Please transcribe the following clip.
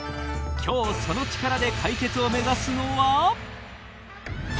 今日そのチカラで解決を目指すのは。